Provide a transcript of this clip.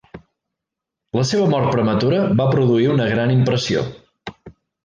La seva mort prematura va produir una gran impressió.